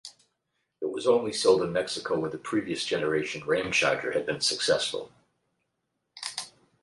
It was only sold in Mexico, where the previous generation Ramcharger had been successful.